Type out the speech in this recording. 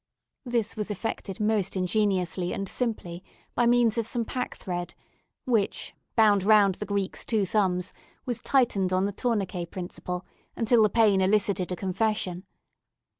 This was effected most ingeniously and simply by means of some packthread, which, bound round the Greek's two thumbs, was tightened on the tourniquet principle, until the pain elicited a confession.